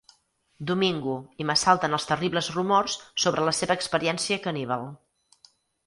Domingo i m'assalten els terribles rumors sobre la seva experiència caníbal.